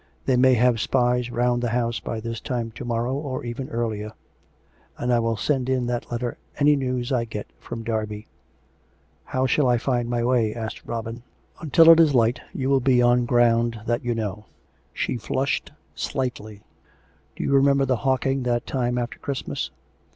They may have spies round the house by this time to morrow, or even earlier. And I will send in that letter any news I can get from Derby." " How shall I find my way .''" asked Robin. " Until it is light you will be on ground that you know." (She flushed slightly.) " Do you remember the hawking, that time after Christmas?